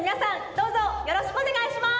どうぞよろしくおねがいします！